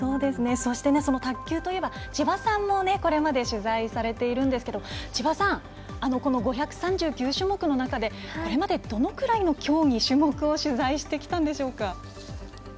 そして、卓球といえば千葉さんも、これまで取材されているんですけどこの５３９種目の中でこれまでどのぐらいの競技、種目を取材してきたんでしょうか。